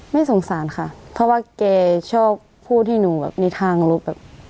ไม่สงสารค่ะเพราะว่าแกชอบผู้ที่หนูแบบมีทางลุกแบบ